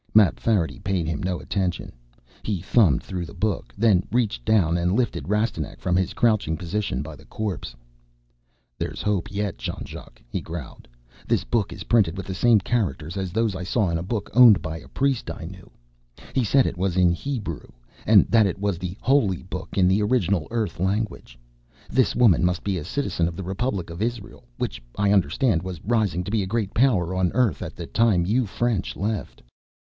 Mapfarity paid him no attention. He thumbed through the book, then reached down and lifted Rastignac from his crouching position by the corpse. "There's hope yet, Jean Jacques," he growled. "This book is printed with the same characters as those I saw in a book owned by a priest I knew. He said it was in Hebrew, and that it was the Holy Book in the original Earth language. This woman must be a citizen of the Republic of Israeli, which I understand was rising to be a great power on Earth at the time you French left.